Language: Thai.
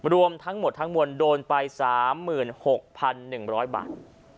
รวมทั้งหมดทั้งมวลโดนไป๓๖๑๐๐บาท